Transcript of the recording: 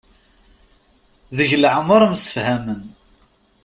Deg leɛmer msefhamen.